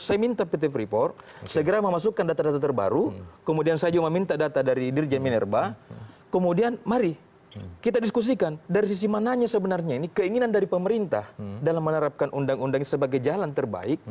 saya minta pt freeport segera memasukkan data data terbaru kemudian saya juga meminta data dari dirjen minerba kemudian mari kita diskusikan dari sisi mananya sebenarnya ini keinginan dari pemerintah dalam menerapkan undang undang sebagai jalan terbaik